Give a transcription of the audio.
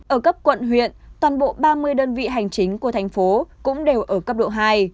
ở cấp quận huyện toàn bộ ba mươi đơn vị hành chính của thành phố cũng đều ở cấp độ hai